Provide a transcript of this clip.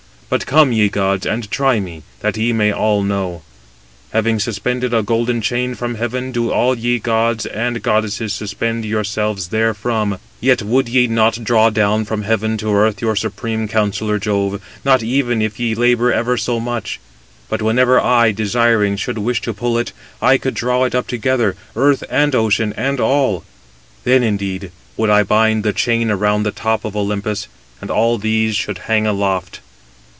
But come, ye gods, and try me, that ye may all know. Having suspended a golden chain from heaven, do all ye gods and goddesses suspend yourselves therefrom; yet would ye not draw down from heaven to earth your supreme counsellor Jove, not even if ye labour ever so much: but whenever I, desiring, should wish to pull it, I could draw it up together, earth, and ocean, and all: then, indeed, would I bind the chain around the top of Olympus, and all these should hang aloft.